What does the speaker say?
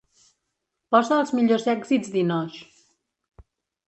Posa els millors èxits d'Inoj.